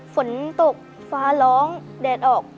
ฝนตกฟ้าร้องแดดออก